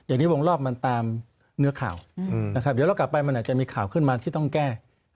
อย่างนี้วงรอบมันตามเนื้อข่าวนะครับเดี๋ยวเรากลับไปมันอาจจะมีข่าวขึ้นมาที่ต้องแก้